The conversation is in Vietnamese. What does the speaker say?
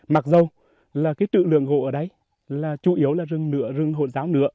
mặc dù là cái trự lượng gộ ở đây là chủ yếu là rừng nửa rừng hồn giáo nửa